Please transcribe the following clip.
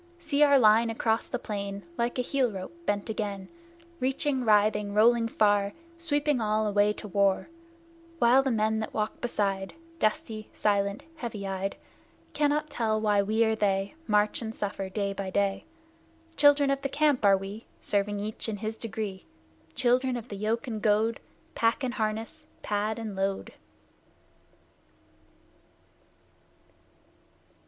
See our line across the plain, Like a heel rope bent again, Reaching, writhing, rolling far, Sweeping all away to war! While the men that walk beside, Dusty, silent, heavy eyed, Cannot tell why we or they March and suffer day by day. Children of the Camp are we, Serving each in his degree; Children of the yoke and goad, Pack and harness, pad and load!